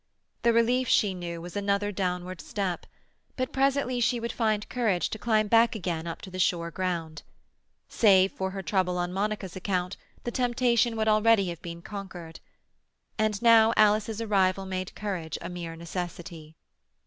The relief, she knew, was another downward step; but presently she would find courage to climb back again up to the sure ground. Save for her trouble on Monica's account the temptation would already have been conquered. And now Alice's arrival made courage a mere necessity.